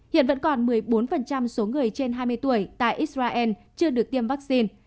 hiện vẫn còn một mươi bốn số người trên hai mươi tuổi tại israel chưa được tiêm vaccine